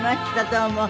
どうも。